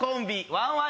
ワンワン